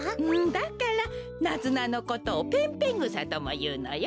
だからナズナのことをペンペングサともいうのよ。